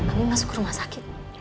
abi masuk rumah sakit